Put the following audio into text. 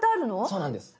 そうなんです。